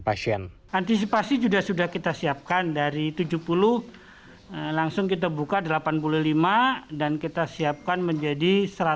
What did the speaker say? pasien antisipasi juga sudah kita siapkan dari tujuh puluh langsung kita buka delapan puluh lima dan kita siapkan menjadi